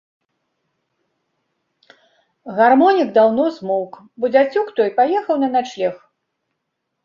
Гармонік даўно змоўк, бо дзяцюк той паехаў на начлег.